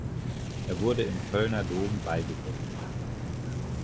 Er wurde im Kölner Dom beigesetzt.